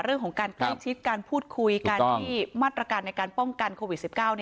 เรื่องของการใกล้ชิดการพูดคุยการที่มาตรการในการป้องกันโควิด๑๙